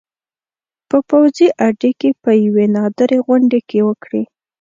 په پوځي اډې کې په یوې نادرې غونډې کې وکړې